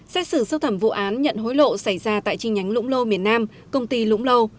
xét xử sâu thẩm vụ án nhận hối lộ xảy ra tại chi nhánh lũng lô miền nam công ty lũng lô